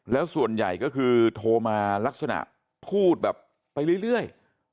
แล้วส่วนใหญ่ก็คือโทรมาลักษณะพูดแบบไปเรื่อย